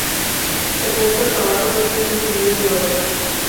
Ernesto Sabato fue quien sugirió su nombre.